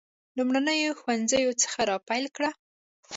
لومړنیو ښوونځیو څخه را پیل کړه.